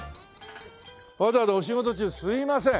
わざわざお仕事中すいません。